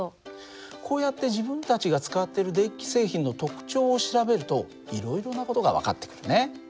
こうやって自分たちが使ってる電気製品の特徴を調べるといろいろな事が分かってくるね。